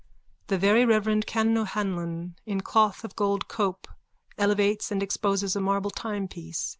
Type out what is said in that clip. _(The very reverend Canon O'Hanlon in cloth of gold cope elevates and exposes a marble timepiece.